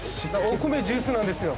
お米ジュースなんですよ。